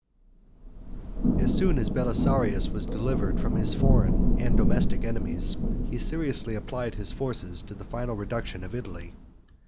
As soon as Belisarius was delivered from his foreign and domestic enemies, he seriously applied his forces to the final reduction of Italy.